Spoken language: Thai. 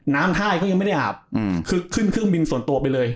ท่ายเขายังไม่ได้อาบคือขึ้นเครื่องบินส่วนตัวไปเลย